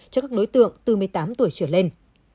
cho các đối tượng từ một mươi tám tuổi trở lên